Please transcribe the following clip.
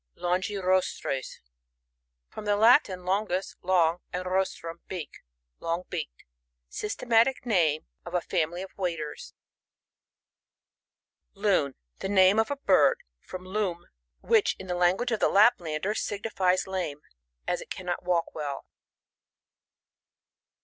LoNoiRosTRBti. — Ffom the Latin, longuB, long, and rostrum, beak. Long beaked. Systematic name of a family of Waders, Loon. — ^The name of a bird, from loom, which in the language of the Laplanders, signifies lame, as it cannot walk well.